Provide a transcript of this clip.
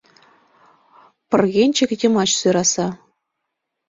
Пыргенчык йымач сӧраса.